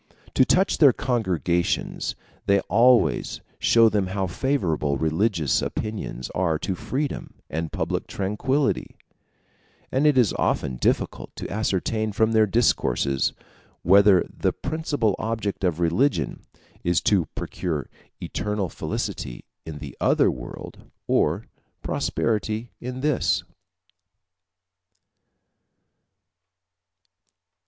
To touch their congregations, they always show them how favorable religious opinions are to freedom and public tranquillity; and it is often difficult to ascertain from their discourses whether the principal object of religion is to procure eternal felicity in the other world, or prosperity in this.